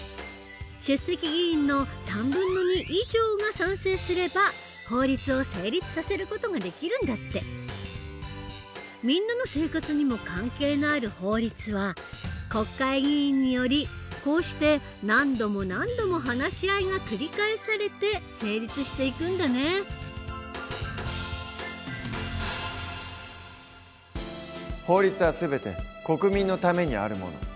出席議員の３分の２以上が賛成すれば法律を成立させる事ができるんだって。みんなの生活にも関係のある法律は国会議員によりこうして何度も何度も法律は全て国民のためにあるもの。